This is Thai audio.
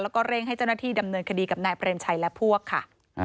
แล้วก็เร่งให้เจ้าหน้าที่ดำเนินคดีกับนายเปรมชัยและพวกค่ะ